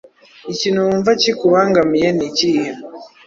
ikintu wumva kikubangamiye nikihe